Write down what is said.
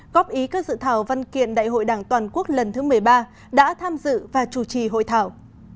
góp ý các dự thảo văn kiện đại hội đảng toàn quốc lần thứ một mươi ba đã tham dự và chủ trì hội thảo